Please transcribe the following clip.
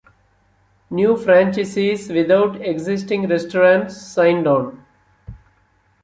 New franchisees without existing restaurants signed on.